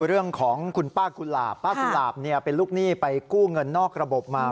เรื่องของคุณป้ากุหลาบป้ากุหลาบเป็นลูกหนี้ไปกู้เงินนอกระบบมา